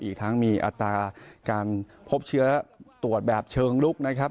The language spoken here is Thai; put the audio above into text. อีกทั้งมีอัตราการพบเชื้อตรวจแบบเชิงลุกนะครับ